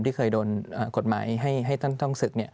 ที่เคยโดนกฎหมายให้ท่านต้องศึก